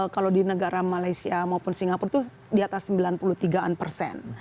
kalau di negara malaysia maupun singapura itu di atas sembilan puluh tiga an persen